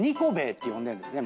て呼んでるんですね